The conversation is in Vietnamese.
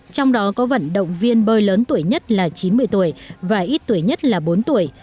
trong đó có vận động viên bơi lớn tuổi nhất là chín mươi tuổi và ít tuổi nhất là bốn tuổi